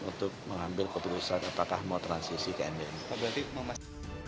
untuk mengambil keputusan apakah mau transisi ke nbn